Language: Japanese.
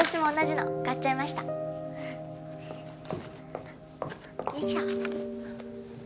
よいしょ。